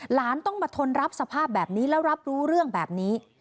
หลานต้องมาทนรับสภาพแบบนี้แล้วรับรู้เรื่องแบบนี้